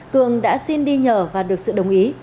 cường đã xin đi nhờ và được sự đồng ý